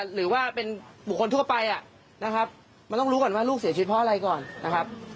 หรือว่าเป็นบุคคลทั่วไปนะครับมันต้องรู้ก่อนว่าลูกเสียชีวิตเพราะอะไรก่อนนะครับ